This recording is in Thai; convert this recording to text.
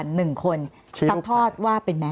พี่เรื่องมันยังไงอะไรยังไง